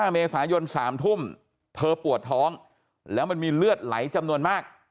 เมษายน๓ทุ่มเธอปวดท้องแล้วมันมีเลือดไหลจำนวนมาก